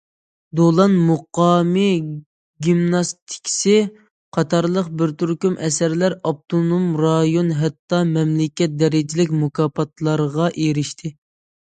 « دولان مۇقامى گىمناستىكىسى» قاتارلىق بىر تۈركۈم ئەسەرلەر ئاپتونوم رايون ھەتتا مەملىكەت دەرىجىلىك مۇكاپاتلارغا ئېرىشتى.